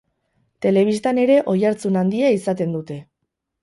Telebistan ere oihartzun handia izaten dute.